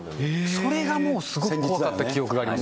それがもうすごい怖かった記憶があります。